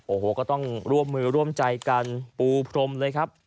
โอ้โหก็ต้องร่วมมือร่วมใจกันปูพรมเลยครับ